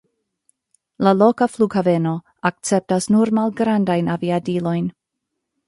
La loka flughaveno akceptas nur malgrandajn aviadilojn.